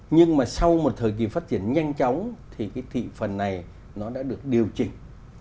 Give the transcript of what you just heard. nhưng mà sau một thời kỳ phát triển nhanh chóng thì cái thị phần này nó đã được điều chỉnh